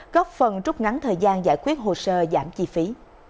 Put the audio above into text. góp phần trúc ngắn thời gian giải quyết hồ sơ giảm chi phí